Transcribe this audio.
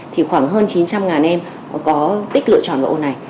thì khoảng hơn chín trăm linh em có tích lựa chọn vào ô này